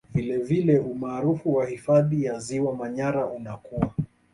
Vilevile umaarufu wa hifadhi ya Ziwa Manyara unakua